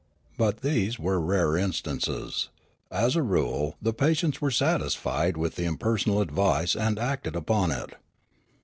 But these were rare instances ; as a rule, the patients were satisfied with the impersonal advice and acted upon it.